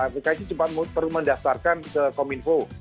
aplikasi cuma perlu mendastarkan ke kominfo